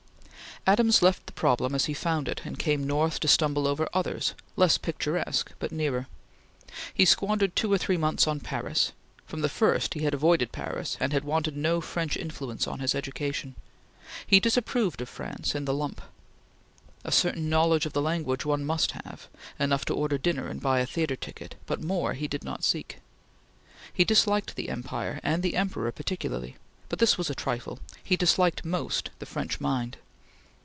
Adams left the problem as he found it, and came north to stumble over others, less picturesque but nearer. He squandered two or three months on Paris. From the first he had avoided Paris, and had wanted no French influence in his education. He disapproved of France in the lump. A certain knowledge of the language one must have; enough to order dinner and buy a theatre ticket; but more he did not seek. He disliked the Empire and the Emperor particularly, but this was a trifle; he disliked most the French mind.